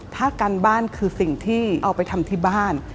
ถ้าการบ้านคือสิ่งที่เอาไปทำที่บ้าน